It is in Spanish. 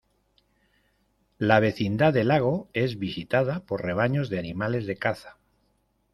La vecindad de lago es visitada por rebaños de animales de caza.